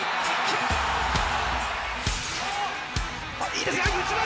いいですね内股！